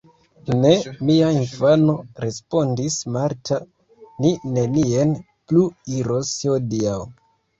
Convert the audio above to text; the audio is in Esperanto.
Ne, mia infano, respondis Marta, mi nenien plu iros hodiaŭ.